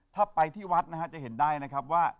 ถ้าไปที่วัดนะฮะจะเห็นได้นะครับว่า